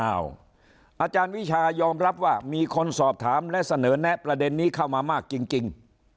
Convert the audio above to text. อาจารย์วิชายอมรับว่ามีคนสอบถามและเสนอแนะประเด็นนี้เข้ามามากจริง